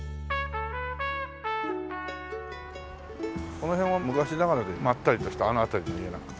この辺は昔ながらでまったりとしてあの辺りの家なんかも。